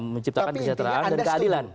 menciptakan kesejahteraan dan keadilan